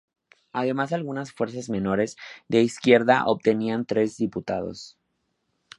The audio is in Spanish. Además algunas fuerzas menores de izquierda obtenían tres diputados.